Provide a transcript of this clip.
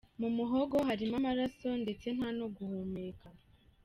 Mu muhogo hari harimo amaraso ndetse nta no guhumeka.